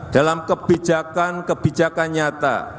dalam kebijakan kebijakan nyata